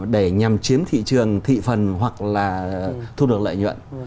để nhằm chiếm thị trường thị phần hoặc là thu được lợi nhuận